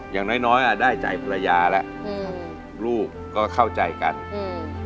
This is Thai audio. อย่างน้อยน้อยอ่ะได้ใจภรรยาแล้วอืมลูกก็เข้าใจกันอืม